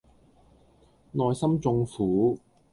內心縱苦